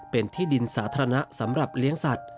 เป็นที่ดินสาธารณะสำหรับเลี้ยงสัตว